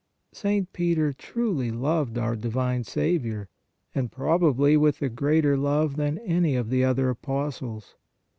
St. Peter truly loved our divine Saviour, and probably with a greater love than any of the other apostles.